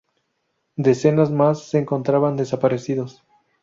Decenas más se encontraban desaparecidos.